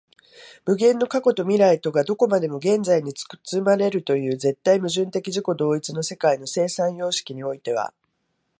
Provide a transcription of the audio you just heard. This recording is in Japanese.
無限の過去と未来とがどこまでも現在に包まれるという絶対矛盾的自己同一の世界の生産様式においては、